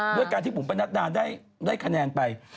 ด้วยการที่บุหมปนัสดานได้แขนงไป